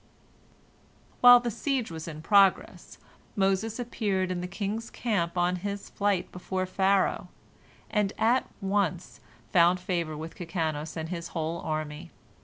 While the siege was in progress, Moses appeared in the king's camp on his flight before Pharaoh, and at once found favor with Kikanos and his whole army.